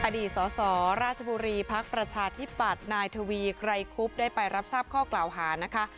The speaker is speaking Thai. อดีตสสราชบุรีภักดิ์ประชาธิปัตย์นายทวีไกรคุบได้ไปรับทราบข้อกล่าวหานะคะ